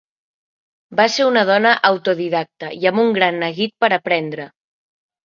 Va ser una dona autodidacta i amb gran neguit per aprendre.